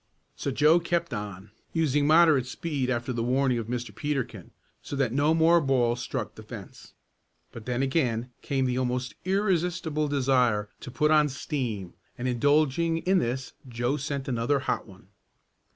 So Joe kept on, using moderate speed after the warning of Mr. Peterkin, so that no more balls struck the fence. But then again came the almost irresistible desire to put on "steam," and indulging in this Joe sent in another "hot one."